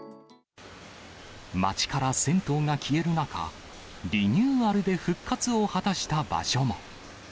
町から銭湯が消える中、リニューアルで復活を果たした場所も。